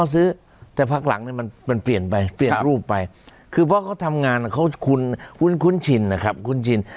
ได้แต่ภาคหลังนั้นมันเปลี่ยนไปเปลี่ยนรูปไปคือเบาเขาทำงานเขาคุณคุณคุณ